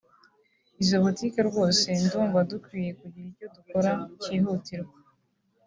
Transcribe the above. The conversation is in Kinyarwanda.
izo butike rwose ndumva dukwiye kugira icyo dukora cyihutirwa